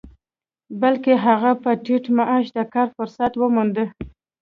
بلکې هغه په ټيټ معاش د کار فرصت وموند.